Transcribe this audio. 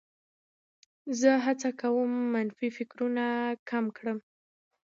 زه هڅه کوم منفي فکرونه کم کړم.